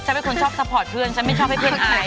เป็นคนชอบซัพพอร์ตเพื่อนฉันไม่ชอบให้เพื่อนอาย